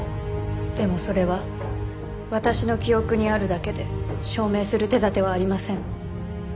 でもそれは私の記憶にあるだけで証明する手立てはありません。